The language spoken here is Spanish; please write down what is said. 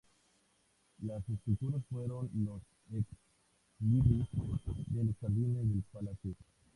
Las esculturas fueron los "ex-libris" de los jardines del palacio.